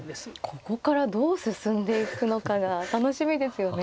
ここからどう進んでいくのかが楽しみですよね。